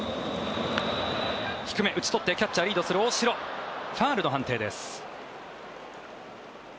低め、打ち取ってキャッチャー、リードする大城ファウルの判定です。